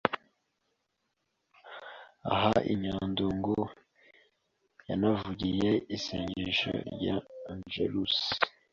Aha i Nyandungu yanahavugiye isengesho rya Angelus